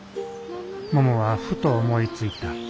ももはふと思いついた。